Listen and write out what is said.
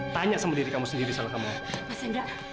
tanya sama diri kamu sendiri salah kamu apa